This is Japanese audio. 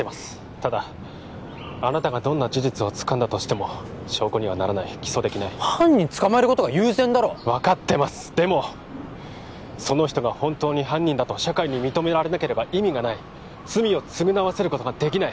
ただあなたがどんな事実をつかんだとしても証拠にはならない起訴できない犯人捕まえることが優先だろ分かってますでもその人が本当に犯人だと社会に認められなければ意味がない罪を償わせることができない